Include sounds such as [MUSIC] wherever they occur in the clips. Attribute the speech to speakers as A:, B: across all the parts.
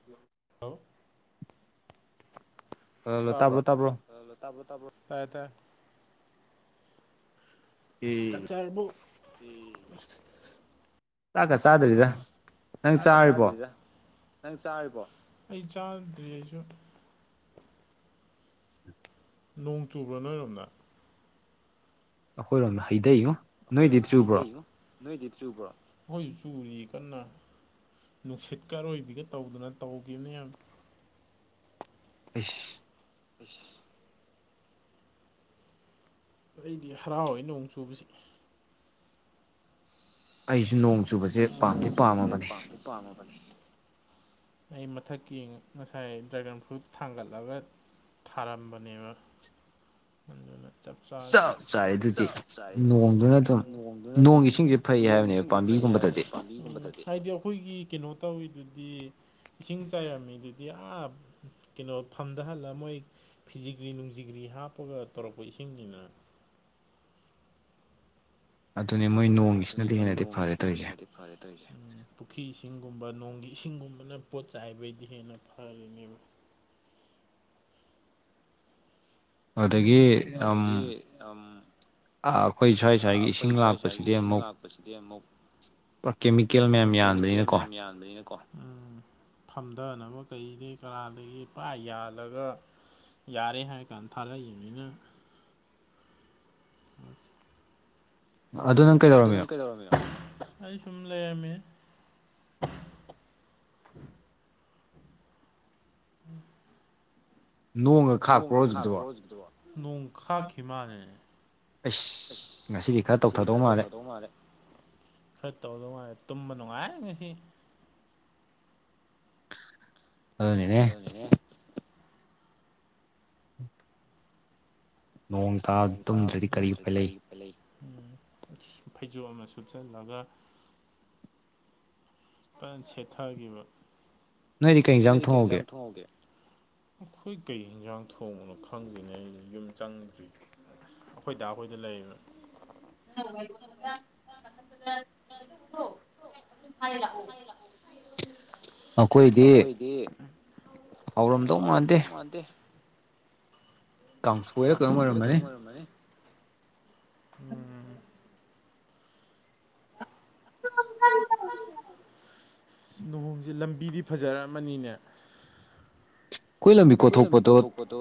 A: [INAUDIBLE]
B: [UNINTELLIGIBLE] ꯇꯥꯕ꯭ꯔꯣ [UNINTELLIGIBLE] ꯇꯥꯕ꯭ꯔꯣ ꯇꯥꯕ꯭ꯔꯣ ꯇꯥꯔꯦ ꯇꯥꯔꯦ ꯆꯥꯛ ꯆꯥꯥꯔꯕꯣ [UNINTELLIGIBLE] ꯆꯥꯛꯀ ꯆꯥꯗ꯭ꯔꯤꯗ ꯅꯪ ꯆꯥꯔꯨꯕꯣ ꯑꯩ ꯆꯥꯔꯨꯗ꯭ꯔꯤ ꯑꯩꯁꯨ ꯅꯣꯡ ꯆꯨꯕ꯭ꯔꯣ ꯅꯣꯏꯔꯣꯝꯅ
A: ꯑꯩꯈꯣꯏꯔꯣꯝꯗ ꯍꯩꯗꯩꯉꯣ
B: ꯑꯩꯈꯣꯏꯔꯣꯝꯗ ꯍꯩꯗꯩꯉꯣ ꯅꯣꯏꯗꯤ ꯆꯨꯕ꯭ꯔꯣ ꯈꯣꯏꯖꯨ ꯆꯨꯔꯤꯌꯦ ꯀꯟꯅ ꯅꯨꯡꯁꯤꯠꯀ ꯑꯔꯣꯏꯕꯤꯒ ꯇꯧꯗꯅ ꯇꯧꯒꯤꯕꯅꯤ ꯌꯥꯝꯅ
A: ꯏꯁ
B: ꯏꯁ ꯑꯩꯗꯤ ꯍꯔꯥꯎꯋꯦ ꯅꯣꯡ ꯆꯨꯕꯁꯤ
A: ꯑꯩꯁꯨ ꯅꯣꯡ ꯆꯨꯕꯁꯦ ꯄꯥꯝꯗꯤ ꯄꯥꯝꯃꯕꯅꯦ
B: ꯄꯥꯝꯃꯕꯅꯦ ꯑꯩ ꯃꯊꯛꯀꯤ ꯉꯁꯥꯏ ꯗ꯭ꯔꯥꯒꯟ ꯐ꯭ꯔꯨꯠ ꯊꯥꯡꯒꯠꯂꯒ ꯊꯥꯔꯥꯝ ꯕꯅꯦꯕꯥ ꯑꯗꯨꯅ ꯆꯞ ꯆꯔꯦ ꯆꯞ ꯆꯥꯏ ꯑꯗꯨꯗꯤ ꯂꯣꯡꯗꯨꯅ ꯑꯗꯨꯝ ꯅꯣꯡꯒꯤ ꯏꯁꯤꯡꯁꯦ ꯐꯩ ꯍꯥꯏꯕꯅꯦ ꯄꯥꯝꯕꯤ ꯒꯨꯝꯕꯗꯗꯤ ꯍꯥꯏꯗꯤ ꯑꯩꯈꯣꯏꯒꯤ ꯀꯩꯅꯣ ꯇꯧꯔꯤꯗꯨꯗꯤ ꯏꯁꯤꯡ ꯆꯥꯏꯔꯝꯃꯤꯗꯨꯗꯤ ꯑꯥ ꯀꯩꯅꯣ ꯐꯝꯗꯍꯜꯂ ꯃꯣꯏ ꯐꯤꯖꯤꯒ꯭ꯔꯤ ꯅꯨꯡꯖꯤꯒ꯭ꯔꯤ ꯍꯥꯞꯄꯒ ꯇꯧꯔꯛꯄ ꯏꯁꯤꯡꯅꯤꯅ
A: ꯑꯗꯨꯅꯦ ꯃꯣꯏ ꯅꯣꯡ
B: ꯑꯗꯨꯅꯦ ꯃꯣꯏ ꯅꯣꯡꯒꯤꯁꯤꯅꯗꯤ ꯍꯦꯟꯅꯗꯤ ꯐꯔꯦ ꯇꯧꯏꯁꯦ ꯄꯨꯈꯔꯤ ꯏꯁꯤꯡꯒꯨꯝꯕ ꯅꯣꯡꯒꯤ ꯏꯁꯤꯡꯒꯨꯝꯕꯅ ꯄꯣꯠ ꯆꯥꯏꯕꯩꯗꯤ ꯍꯦꯟꯅ ꯐꯔꯤꯅꯦꯕ ꯎꯝ ꯍꯨꯝ ꯑꯗꯒꯤ ꯑꯝ
A: ꯑꯥ ꯑꯩꯈꯣꯏ ꯁ꯭ꯋꯥꯏ ꯁ꯭ꯋꯥꯏꯒꯤ ꯏꯁꯤꯡ ꯂꯥꯛꯄꯁꯤꯗꯤ ꯑꯃꯨꯛ ꯄ꯭ꯔꯥ ꯀꯦꯃꯤꯀꯦꯜ ꯃꯌꯥꯝ ꯌꯥꯟꯕꯅꯤꯅꯀꯣ
B: ꯑꯗꯩꯅ ꯀꯣ ꯎꯝ ꯐꯝꯗꯅꯕ ꯀꯩꯗꯩꯩ ꯀꯔꯥꯗꯒꯤ ꯄ꯭ꯌꯥꯟ ꯌꯥꯜꯂꯒ ꯌꯥꯔꯦ ꯍꯥꯏꯔꯀꯥꯟ ꯊꯥꯜꯔꯛꯏꯝꯅꯤꯅ [UNINTELLIGIBLE]
A: ꯑꯗꯣ ꯅꯪ
B: ꯑꯗꯨ ꯅꯪ ꯀꯩꯗꯧꯔꯝꯃꯤꯅꯣ ꯑꯩ ꯁꯨꯝ ꯂꯩꯔꯝꯃꯤꯅꯦ ꯎꯝ ꯅꯣꯡꯒ ꯈꯥꯛꯄ꯭ꯔꯣ ꯍꯧꯖꯤꯛꯀꯤꯗꯨꯕꯣ ꯅꯣꯡ ꯈꯥꯛꯈꯤꯕ ꯃꯥꯂꯦꯅꯦ ꯑꯁ ꯉꯁꯤꯗꯤ ꯈꯔ ꯇꯧꯊꯥꯗꯧ ꯃꯥꯜꯂꯦ ꯈꯔ ꯇꯧꯗꯧ ꯃꯥꯜꯂꯦ ꯇꯨꯝꯕ ꯅꯨꯡꯉꯥꯏ ꯉꯁꯤ
A: ꯑꯗꯨꯅꯤꯅꯦ
B: ꯅꯣꯡ ꯇꯥꯕꯁꯤꯗꯥ ꯇꯨꯝꯗ꯭ꯔꯗꯤ ꯀꯔꯤ ꯎꯄꯥꯏ ꯂꯩ ꯐꯩꯖꯣꯝ ꯑꯃ ꯁꯨꯞꯆꯜꯂꯒ ꯁꯦꯠꯊꯥꯈꯤꯕ ꯅꯣꯏꯗꯤ ꯀꯩ ꯌꯦꯟꯖꯥꯡ ꯊꯣꯡꯉꯥꯒꯦ ꯑꯩꯈꯣꯏ ꯀꯩ ꯌꯦꯟꯖꯥꯡ ꯊꯣꯡꯕꯅꯣ ꯈꯪꯗꯦꯅꯦ ꯑꯩꯗꯤ ꯌꯨꯝ ꯆꯪꯗ꯭ꯔꯤ ꯑꯩꯈꯣꯏ ꯗꯥꯥ ꯈꯣꯏꯗ ꯂꯩꯔꯤꯕ
A: [INAUDIBLE] ꯍꯥꯏ ꯂꯥꯛ
B: ꯑꯩꯈꯣꯏꯗꯤ
A: ꯍꯥꯎꯔꯝꯗꯧ ꯃꯥꯟꯗꯦ
B: ꯇꯦ
A: ꯀꯥꯡꯁꯣꯏꯔꯥ ꯀꯩꯅꯣꯝ ꯑꯣꯏꯔꯝꯃꯥꯅꯤ
B: ꯅꯦ ꯎꯝ ꯅꯣꯡꯖꯦ ꯂꯝꯕꯤꯗꯤ ꯐꯖꯔꯛꯃꯥꯅꯤꯅꯦ ꯑꯩꯈꯣꯏ ꯂꯝꯕꯤ ꯀꯣꯠꯊꯣꯛꯄꯗꯣ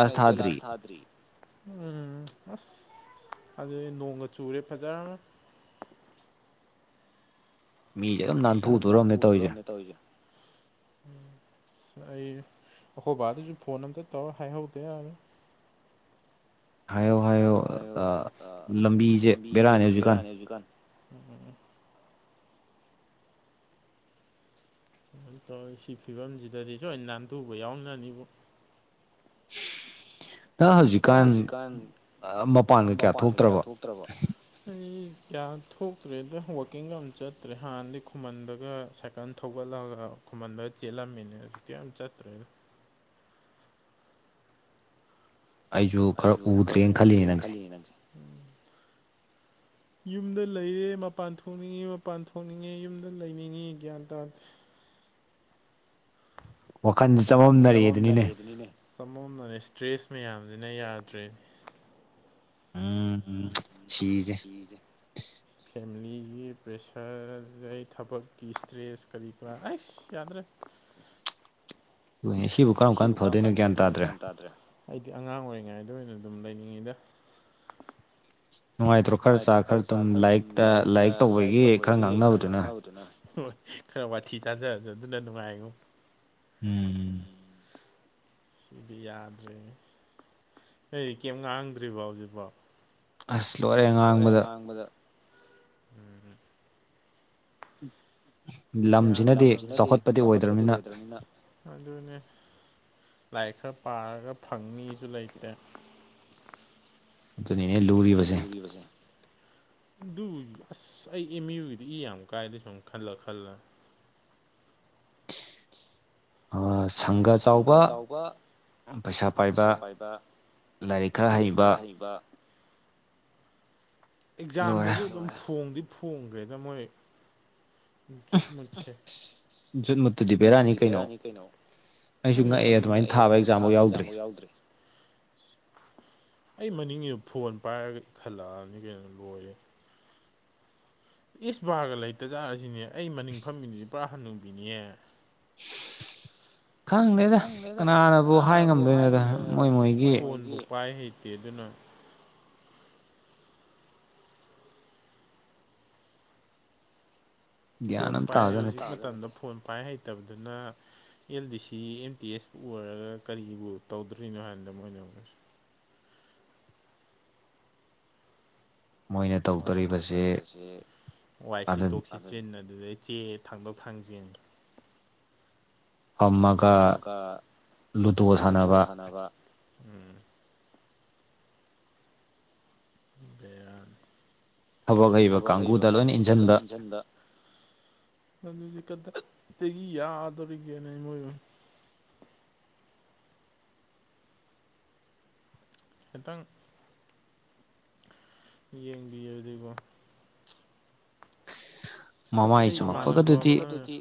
B: ꯃꯥꯏ ꯀꯣꯏꯂꯥꯁ ꯊꯥꯗ꯭ꯔꯤ ꯎꯝ ꯑꯁ ꯑꯗꯨꯗꯤ ꯅꯣꯡꯒ ꯆꯨꯔꯦ ꯐꯖꯔꯝꯃꯅꯤ ꯃꯤꯗꯤ ꯑꯗꯨꯝ ꯅꯥꯟꯊꯨꯗꯣꯔꯥꯕꯅꯦ ꯇꯧꯔꯤꯁꯦ ꯎꯝ ꯑꯩ ꯑꯩꯈꯣꯏ ꯕꯥꯗꯨꯁꯨ ꯐꯣꯟ ꯑꯝꯇ ꯇꯧꯔ ꯍꯥꯏꯍꯧꯗ ꯌꯥꯔꯦꯏ [INAUDIBLE]
A: ꯍꯥꯏꯌꯣ ꯍꯥꯏꯌꯣ ꯂꯝꯕꯤꯁꯦ ꯕꯦꯔꯥꯅꯦ ꯍꯧꯖꯤꯛꯀꯥꯟ
B: ꯍꯧꯖꯤꯛ ꯀꯥꯟ ꯑꯗꯨꯅ ꯁꯨꯃꯥꯏꯅ ꯇꯧꯋꯤ ꯁꯤ ꯐꯤꯕꯝꯁꯤꯗꯗꯤ ꯁꯣꯏ ꯅꯥꯟꯊꯨꯕ ꯌꯥꯎꯅꯅꯤꯕꯨ ꯅꯪ ꯍꯧꯖꯤꯛꯀꯥꯟ ꯃꯄꯥꯟꯒ ꯀꯌꯥ ꯊꯣꯛꯇ꯭ꯔꯕꯣ ꯑꯩ ꯀꯌꯥ ꯊꯣꯛꯇ꯭ꯔꯦ ꯗ ꯋꯥꯛꯀꯤꯡꯒ ꯑꯝ ꯆꯠꯇ꯭ꯔꯦ ꯍꯥꯟꯅꯗꯤ ꯈꯨꯃꯟꯗꯒ ꯁꯥꯏꯀ ꯀꯟ ꯊꯧꯒꯠꯂꯒ ꯈꯨꯃꯟꯗ ꯆꯦꯜꯂꯝꯃꯤꯅꯦ ꯑꯗꯨꯛ ꯀꯝ ꯆꯠꯇ꯭ꯔꯦꯗ
A: ꯑꯩꯁꯨ ꯈꯔ ꯎꯗ꯭ꯔꯦꯅ ꯈꯜꯂꯤꯅꯦ ꯅꯪꯁꯦ
B: ꯅ ꯎꯝ ꯌꯨꯝꯗ ꯂꯩꯌꯦ ꯃꯄꯥꯟ ꯊꯣꯛꯅꯤꯡꯉꯤ ꯃꯄꯥꯟ ꯊꯣꯛꯅꯤꯡꯉꯦ ꯌꯨꯝꯗ ꯂꯩꯅꯤꯡꯉꯤ ꯒ꯭ꯌꯥꯟ ꯇꯥꯗꯦ ꯋꯥꯈꯜꯁꯦ ꯆꯃꯝꯅꯔꯛꯑꯦ ꯑꯗꯨꯅꯤꯅꯦ ꯆꯃꯝꯅꯔꯦ ꯁꯇ꯭ꯔꯦꯁ ꯃꯌꯥꯝꯁꯤꯅ ꯌꯥꯗ꯭ꯔꯦ ꯎꯝ ꯁꯤꯖꯦ ꯐꯦꯃꯤꯂꯤꯒꯤ ꯄ꯭ꯔꯦꯁꯔꯗꯩ ꯊꯕꯛꯀꯤ ꯏꯁꯇ꯭ꯔꯦꯁ ꯀꯔꯤ ꯀꯔꯥ ꯑꯩꯁ ꯌꯥꯗ꯭ꯔꯦ ꯁꯤꯕꯨ ꯀꯔꯝ ꯀꯥꯟ ꯐꯗꯣꯏꯅꯣ ꯒ꯭ꯌꯥꯟ ꯇꯥꯗ꯭ꯔꯦ ꯑꯩꯗꯤ ꯑꯉꯥꯡ ꯑꯣꯏꯔꯤꯉꯩꯗ ꯑꯣꯏꯅ ꯑꯗꯨꯝ ꯂꯩꯅꯤꯡꯉꯤꯗ ꯅꯨꯡꯉꯥꯏꯇ꯭ꯔꯣ ꯈꯔ ꯆꯥ ꯈꯔ ꯗꯨꯝ ꯂꯥꯏꯔꯤꯛꯇ ꯂꯥꯏꯔꯤꯛ ꯇꯧꯕꯒꯤ ꯈꯔ ꯉꯥꯡꯅꯕꯗꯨꯅ ꯍꯣꯏ ꯈꯔ ꯋꯥꯊꯤ ꯆꯥꯖꯔꯁꯨ ꯑꯗꯨꯅ ꯅꯨꯡꯉꯥꯏꯉꯣ
A: ꯎꯝ
B: ꯑꯗꯨꯗꯤ ꯌꯥꯗ꯭ꯔꯦ ꯅꯣꯏ ꯀꯦꯝ ꯉꯥꯡꯗ꯭ꯔꯤꯕꯣ ꯍꯧꯖꯤꯛꯐꯥꯎ ꯑꯁ ꯂꯣꯏꯔꯦ ꯉꯥꯡꯕꯗ ꯂꯝꯁꯤꯅꯗꯤ ꯆꯥꯎꯈꯠꯄꯗꯤ ꯑꯣꯏꯗ꯭ꯔꯅꯤꯅ ꯑꯗꯨꯅꯦ ꯂꯥꯏꯔꯤꯛ ꯈꯔ ꯄꯥꯔꯒ ꯐꯪꯅꯤꯁꯨ ꯂꯩꯇꯦ ꯑꯗꯨꯅꯤꯅꯦ ꯂꯨꯔꯤꯕꯁꯦ ꯑꯗꯨꯕꯨ ꯑꯁ ꯑꯩ ꯑꯦꯝ ꯌꯨꯒꯤꯗꯤ ꯏ ꯌꯥꯝ ꯀꯥꯏꯗꯦ ꯁꯨꯝ ꯈꯜꯂ ꯈꯜꯂ
A: [UNINTELLIGIBLE] ꯑ ꯁꯪꯒ ꯆꯥꯎꯕ ꯄꯩꯁꯥ ꯄꯥꯏꯕ ꯂꯥꯏꯔꯤꯛ ꯈꯔ ꯍꯩꯕ
B: ꯑꯦꯛꯖꯥꯝꯗꯁꯨ ꯑꯗꯨꯝ ꯐꯣꯡꯗꯤ ꯐꯣꯡꯈ꯭ꯔꯦꯗ ꯃꯣꯏ ꯨꯍꯨꯠ ꯃꯨꯇꯦꯁ ꯖꯨꯠꯃꯨꯠꯗꯨꯗꯤꯕꯦꯔꯥꯅꯤ ꯀꯩꯅꯣ ꯎ ꯑꯩꯁꯨ ꯉꯛꯑꯦ ꯑꯗꯨꯃꯥꯏꯅ ꯊꯥꯕ ꯑꯦꯗꯝꯁꯨ ꯌꯥꯎꯗ꯭ꯔꯤ ꯑꯩ ꯃꯅꯤꯪꯀꯦꯗꯣ ꯐꯣꯟ ꯄꯥꯏꯔꯒ ꯏ ꯈꯜꯂꯛꯑꯅꯤ ꯀꯩꯅꯣ ꯂꯣꯏꯔꯦ ꯏꯁ ꯕꯥꯔꯒ ꯂꯩꯇꯖꯥꯠ ꯑꯩ ꯃꯅꯤꯡ ꯐꯝꯃꯤꯄꯦꯁ ꯄꯨꯔꯥ ꯍꯟꯅꯨꯕꯤꯅꯦ [UNINTELLIGIBLE] [INAUDIBLE] ꯈꯪꯗꯦꯗ ꯀꯅꯥꯅꯕꯨ ꯍꯥꯏ ꯉꯝꯗꯣꯏꯅꯣꯗ ꯃꯣꯌ ꯀꯗꯨꯅ ꯐꯣꯟ ꯄꯥꯏꯦ ꯍꯧꯖꯤꯛ ꯃꯇꯝꯗ ꯐꯣꯟ ꯄꯥꯏ ꯍꯩꯇꯕꯗꯨꯅ ꯑꯦꯜ ꯗꯤ ꯁꯤ ꯑꯦꯝ ꯇꯤ ꯑꯦꯁꯄꯨ ꯑꯣꯏꯔꯒ ꯀꯔꯤꯕꯨ ꯇꯧꯗ꯭ꯔꯤꯅꯣ ꯍꯥꯏꯕꯅꯗ ꯃꯣꯏꯅ ꯃꯣꯏꯅ ꯇꯧꯗꯣꯔꯤꯕꯁꯦ ꯋꯥꯏ ꯁꯤ ꯇꯣꯛ ꯖꯤꯟ ꯑꯗꯨꯗꯩ ꯆꯦ ꯊꯥꯡꯕꯛ ꯊꯥꯡꯖꯟ ꯐꯝꯃꯒ ꯂꯨꯗꯣ ꯁꯥꯟꯅꯕ ꯏꯃꯝ ꯊꯕꯛ ꯍꯩꯕ ꯀꯥꯡꯕꯨꯗ ꯂꯣꯏꯅ ꯏꯟꯁꯤꯟꯕ ꯅꯗꯤ ꯀ ꯇꯒꯤ ꯌꯥꯗꯧꯔꯤꯒꯦꯅꯦ ꯏ ꯃꯣꯏ ꯈꯤꯇꯪ ꯌꯦꯡꯕꯤꯌꯗꯤꯀꯣ ꯑꯁ ꯑꯩ ꯏꯃꯥꯟꯅꯕ ꯑꯃꯗꯨꯗꯤ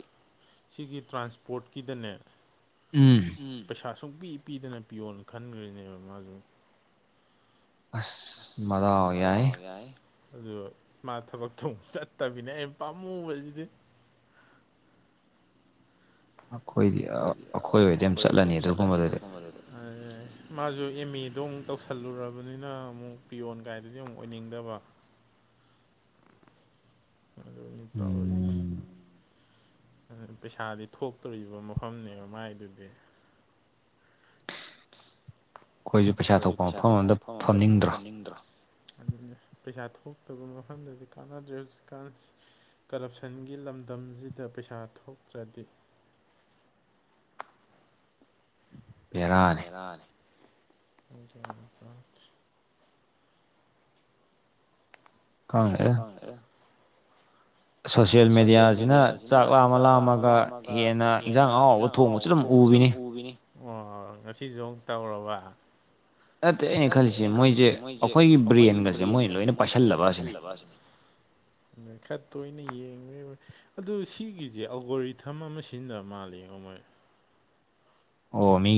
B: ꯁꯤꯒꯤ ꯇ꯭ꯔꯥꯟꯁꯄꯣꯔꯠꯀꯤꯗꯅꯦ
A: ꯎꯝ
B: ꯎꯝ ꯄꯩꯁꯥ ꯁꯨꯡ ꯄꯤ ꯄꯤꯗꯅ ꯄꯤꯌꯣꯅ ꯈꯟꯈ꯭ꯔꯅꯦꯕ ꯃꯥꯁꯨꯦ ꯃꯥꯗꯣꯏꯌꯥꯏ ꯑꯗꯨ ꯃꯥ ꯊꯕꯛ ꯇꯨꯃꯨꯛ ꯆꯠꯇꯕꯤꯅ‌ꯦ ꯑꯩꯅ ꯄꯥꯝꯃꯨꯕꯁꯤꯗꯤ
A: ꯃꯈꫭꯏꯒꯤ
B: ꯑꯩꯈꯣꯏꯗꯤ ꯑꯩꯈꯣꯏ ꯑꯣꯏꯔꯗꯤ ꯑꯗꯨꯝ ꯆꯠꯂꯅꯤ ꯑꯗꯨꯒꯨꯝꯕꯗꯨꯗ ꯃꯥꯁꯨ ꯑꯦꯃ‌ꯦꯗꯣ ꯑꯃꯨꯛ ꯇꯧꯁꯜꯂꯨꯔꯕꯅꯤꯅ ꯑꯃꯨꯛ ꯄꯤꯌꯣꯟ ꯀꯥꯏꯗꯨꯗꯤ ꯑꯃꯨꯛ ꯑꯣꯏꯅꯤꯡꯗꯕ ꯑꯗꯨꯅꯤ ꯇꯦꯔꯤꯁꯦ ꯑꯗꯨ ꯄꯩꯁꯥꯗꯤ ꯊꯣꯛꯇꯣꯔꯤꯕ ꯃꯐꯝꯅꯦꯕ ꯃꯥꯏ ꯑꯗꯨꯗꯤ ꯑꯩꯈꯣꯏꯁꯨ ꯄꯩꯁꯥ ꯊꯣꯛꯄ ꯃꯐꯝ ꯑꯃꯗ ꯐꯝꯅꯤꯡꯗ꯭ꯔꯣ ꯑꯗꯨꯅ ꯄꯩꯁꯥ ꯊꯣꯛꯇꯕ ꯃꯐꯝꯗꯗꯤ ꯀꯥꯟꯅꯗ꯭ꯔꯦ ꯍꯧꯖꯤꯛꯀꯥꯟ ꯀꯔꯞꯁꯟꯒꯤ ꯂꯝꯗꯝꯁꯤꯗ ꯄꯩꯁꯥ ꯊꯣꯛꯇ꯭ꯔꯗꯤ
A: ꯚ‌ꯦꯔꯥ
B: ꯌꯥꯦ [UNINTELLIGIBLE]
A: ꯈꯪꯗꯦ
B: ꯑꯦ ꯁꯣꯁꯦꯜ ꯃꯦꯗꯤꯌꯥꯁꯤꯅ ꯆꯥꯛ ꯂꯥꯝꯃ ꯂꯥꯝꯃꯒ ꯍꯦꯟꯅ ꯏꯟꯖꯥꯡ ꯑꯍꯥꯎꯕ ꯊꯣꯡꯕꯁꯨ ꯑꯗꯨꯝ ꯎꯈꯤꯅꯤ ꯑꯣ ꯉꯁꯤꯁꯨ ꯑꯃꯨ ꯇꯧꯔꯕ ꯅꯠꯇꯦ ꯑꯩꯅ ꯈꯜꯂꯤꯁꯦ ꯃꯣꯏꯁꯦ ꯑꯩꯈꯣꯏꯒꯤ ꯕ꯭ꯔꯦꯟꯒꯁꯦ ꯃꯣꯏ ꯂꯣꯏꯅ ꯄꯥꯏꯁꯜꯂꯕ ꯑꯁꯤꯅꯤ ꯈꯔ ꯇꯅ ꯌꯦꯡꯉꯦꯕ ꯑꯗꯨ ꯁꯤꯒꯤꯁꯦ ꯑꯒꯣꯔꯤꯊꯝ ꯑꯃ ꯁꯤꯖꯤꯟꯅꯕ ꯃꯥꯜꯂꯦ ꯃꯣꯏ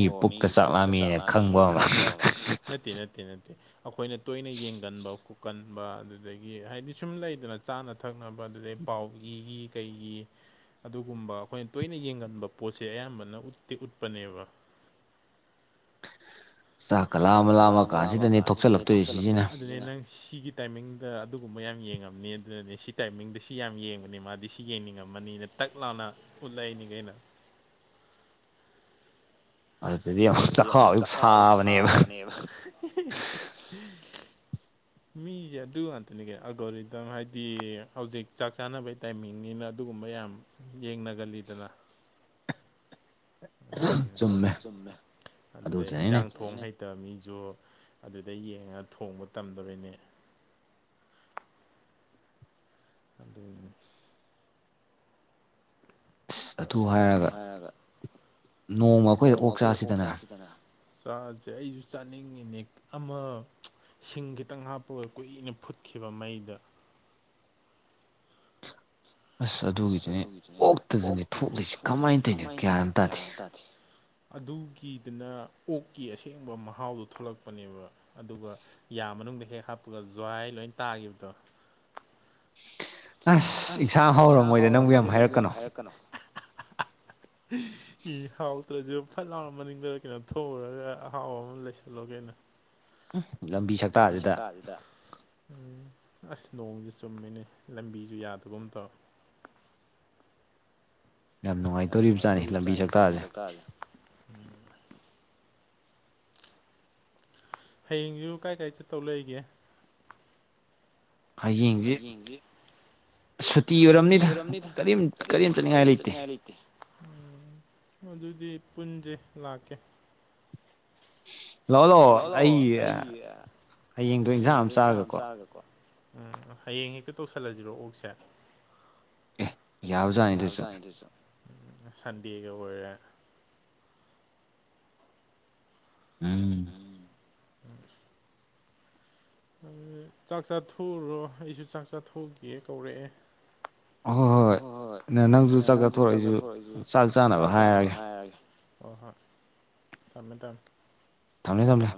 B: ꯑꯣ ꯃꯤꯒꯤ ꯄꯨꯛꯀꯥ ꯆꯥꯛꯂꯝꯃꯦꯅ ꯈꯪꯕ ꯑꯃ ꯅꯠꯇꯦ ꯅꯠꯇꯦ ꯅꯠꯇꯦ ꯑꯩꯈꯣꯏꯅ ꯇꯣꯏꯅ ꯌꯦꯡꯒꯟꯕ ꯈꯨꯞꯀꯟꯕ ꯑꯗꯨꯗꯒꯤ ꯍꯥꯏꯗꯤ ꯁꯨꯝ ꯂꯩꯗꯅ ꯆꯥꯅ ꯊꯛꯅꯕ ꯗꯗ [UNINTELLIGIBLE] ꯄꯥꯎꯒꯤꯒꯤ ꯀꯩꯒꯤ ꯑꯗꯨꯒꯨꯝꯕ ꯑꯩꯈꯣꯏꯅ ꯇꯣꯏꯅ ꯌꯦꯡꯒꯟꯕ ꯄꯣꯠꯁꯦ ꯑꯌꯥꯝꯕꯅ ꯎꯠꯇꯤ ꯎꯠꯄꯅꯦꯕ ꯆꯥꯛ ꯀꯥ ꯂꯥꯝ ꯂꯥꯝꯃ ꯀꯥꯟꯁꯤꯗꯅꯦ ꯊꯣꯛꯆꯜꯂꯛꯇꯣꯏꯁꯤ ꯑꯗꯨꯅꯤ ꯅꯪ ꯁꯤꯒꯤ ꯇꯥꯏꯃꯤꯡꯗ ꯑꯗꯨꯒꯨꯝꯕ ꯌꯥꯝ ꯌꯦꯡꯉꯝꯅꯤ ꯑꯗꯨꯔꯗꯤ ꯁꯤ ꯇꯥꯏꯃꯤꯡꯗ ꯁꯤ ꯌꯥꯝ ꯌꯦꯡꯕꯅꯤ ꯃꯥꯗꯤ ꯁꯤ ꯌꯦꯡꯅꯤꯡꯉꯝꯃꯅꯤ ꯇꯛ ꯂꯥꯟꯅ ꯎꯠꯂꯛꯏꯅꯤꯉꯩꯅ ꯑꯗꯨ ꯑꯗꯨꯗꯤ ꯆ ꯍꯥꯎ ꯁꯥꯥꯕꯅꯦꯕ ꯃꯤꯁꯦ ꯑꯗꯨ ꯉꯥꯛꯇꯅꯤ ꯀ ꯑꯒꯣꯔꯤꯗꯝꯝ ꯍꯥꯏꯗꯤ ꯍꯧꯖꯤꯛ ꯆꯥꯛ ꯆꯥꯅꯕꯩ ꯇꯥꯏꯃꯤꯡꯅꯤꯅ ꯑꯗꯨꯒꯨꯝꯕ ꯌꯥꯝ ꯌꯦꯡꯅꯒꯜꯂꯤꯗꯅ ꯎꯝ ꯆꯨꯝꯃꯦ ꯑꯗꯨꯗ ꯍꯤꯟꯖꯥꯡ ꯊꯣꯡ ꯍꯩ ꯇꯕ ꯃꯤꯁꯨ ꯑꯗꯨꯗꯩ ꯌꯦꯡꯉꯒ ꯊꯣꯡꯕ ꯇꯝꯗꯣꯔꯤꯅꯦ ꯑꯗꯨꯅꯤ ꯑꯁ ꯑꯗꯨ ꯍꯥꯏꯔꯒ ꯅꯣꯡꯃ ꯑꯩꯈꯣꯏꯗ ꯑꯣꯛ ꯆꯥꯁꯤꯗꯅ ꯆꯥꯁꯦ ꯑꯩꯁꯨ ꯆꯥꯅꯤꯡꯉꯤꯅꯦ ꯑꯃ ꯁꯤꯡ ꯈꯤꯇꯪ ꯍꯥꯞꯄꯒ ꯀꯨꯏꯅ ꯐꯨꯠꯈꯤꯕ ꯃꯩꯗ ꯑꯁ ꯑꯗꯨꯒꯤꯗꯨꯅꯦ ꯑꯣꯛꯇꯗꯅꯤ ꯊꯣꯛꯂꯤꯁꯤ ꯀꯃꯥꯏꯟ ꯇꯧꯏꯅꯣ ꯒꯌ꯭ꯥꯟ ꯑꯝ ꯇꯥꯗꯦ ꯑꯗꯨꯒꯤꯗꯅ ꯑꯣꯛꯀꯤ ꯑꯁꯦꯡꯕ ꯃꯍꯥꯎꯗꯣ ꯊꯣꯛꯂꯛꯄꯅꯦꯕ ꯑꯗꯨꯒ ꯌꯥ ꯃꯅꯨꯡꯗ ꯍꯦꯛ ꯍꯥꯞꯄꯒ ꯖ꯭ꯋꯥꯏ ꯂꯣꯏ ꯇꯥꯈꯤꯕꯗꯣ
A: ꯑꯁ ꯏꯟꯁꯥꯡ ꯍꯧꯔꯝꯃꯣꯏꯗ ꯅꯪꯕꯨ ꯌꯥꯝ ꯍꯥꯏꯔꯛꯀꯅꯣ
B: [UNINTELLIGIBLE] [UNINTELLIGIBLE] ꯏ ꯍꯥꯎꯇ꯭ꯔꯁꯨ ꯐꯠ ꯂꯥꯎꯔ ꯃꯅꯤꯡꯗ ꯀꯩꯅꯣ ꯊꯣꯛꯎꯔꯒ ꯑꯍꯥꯎꯕ ꯑꯃ ꯂꯩꯁꯜꯂꯣ ꯀꯩꯅꯣ ꯂꯝꯕꯤ ꯁꯇꯥꯗꯨꯗ ꯎꯝ ꯑꯁ ꯅꯣꯡꯁꯦ ꯆꯨꯝꯃꯤꯅꯦ ꯂꯝꯕꯤꯁꯨ ꯌꯥꯗꯒꯨꯝ ꯇꯧꯋ ꯌꯥꯝ ꯅꯨꯡꯉꯥꯏꯇꯧꯔꯤꯕꯆꯥꯅꯤ ꯂꯝꯕꯤ ꯆꯇꯥꯔꯁꯦ ꯎ ꯍꯌꯦꯡꯁꯨ ꯀꯥꯏ ꯀꯥꯏ ꯆꯠꯇꯧ ꯂꯩꯒꯦ
A: ꯍꯌꯦꯡꯖꯤ ꯁꯨꯇꯤ ꯑꯣꯏꯔꯝꯅꯤꯗ ꯀꯔꯤꯝ ꯀꯔꯤꯝ ꯆꯠꯅꯤꯡꯉꯥꯏ ꯂꯩꯇꯦ
B: ꯎꯝ ꯑꯗꯨꯗꯤ ꯄꯨꯟꯁꯦ ꯂꯥꯛꯀꯦ ꯂꯥꯛꯑꯣ ꯂꯥꯛꯑꯣ ꯑꯩ ꯍꯌꯦꯡꯗꯣ ꯏꯟꯁꯥꯡ ꯑꯃ ꯆꯥꯔꯒꯀꯣ ꯎꯝ ꯍꯌꯦꯡ ꯍꯦꯛꯇ ꯇꯧꯁꯤꯜꯂꯁꯤꯔꯣ ꯑꯣꯛꯁꯦ ꯑꯦ ꯌꯥꯕꯖꯥꯅꯤ ꯑꯗꯨꯁꯨ ꯁꯟꯗꯦꯒ ꯑꯣꯏꯔꯦ ꯎꯝ ꯎꯝ ꯆꯥꯛ ꯆꯥꯊꯣꯛꯎꯔꯣ ꯑꯩꯁꯨ ꯆꯥꯛ ꯆꯥꯊꯣꯛꯎꯒꯦ ꯀꯧꯔꯛꯑꯦ
A: ꯑ ꯍꯣꯏ ꯍꯣꯏ
B: ꯍꯣꯏ ꯑꯝꯅꯦ ꯅꯪꯁꯨ ꯆꯥꯛ ꯆꯊꯣꯛꯎꯔꯣ ꯑꯩꯖꯨ ꯆꯥꯛ ꯆꯥꯅꯕ ꯍꯥꯏꯔꯒꯦ ꯍꯣ ꯍꯣꯏ ꯊꯝꯃꯦ ꯊꯝꯃꯦ
A: ꯊꯝꯃꯦ ꯊꯝꯂꯦ